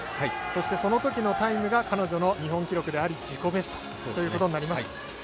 そして、そのときのタイムが彼女の日本記録であり自己ベストということになります。